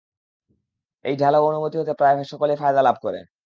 এই ঢালাও অনুমতি হতে প্রায় সকলেই ফায়দা লাভ করে।